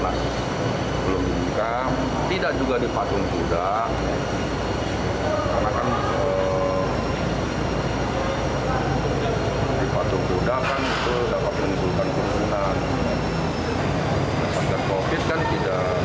aneh mem peneliti tentang tim kovid ketika melewati zit yang ada tempat agak tidak snap